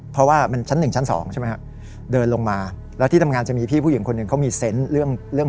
เพราะว่ามันชั้นหนึ่งชั้นสองใช่ไหมครับเดินลงมาแล้วที่ทำงานจะมีพี่ผู้หญิงคนหนึ่งเขามีเซนต์เรื่องเรื่อง